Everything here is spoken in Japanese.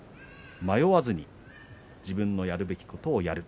迷わずに自分のやるべきことをやる。